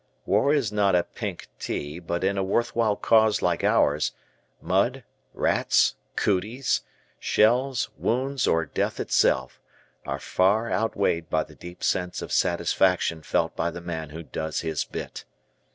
War is not a pink tea but in a worthwhile cause like ours, mud, rats, cooties, shells, wounds, or death itself, are far outweighed by the deep sense of satisfaction felt by the man who does his bit.